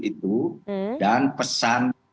itu dan pesan